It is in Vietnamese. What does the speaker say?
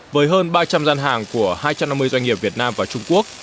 với hơn ba trăm linh gian hàng của hai trăm năm mươi doanh nghiệp việt nam và trung quốc